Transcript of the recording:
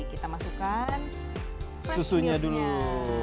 kita masukkan susunya dulu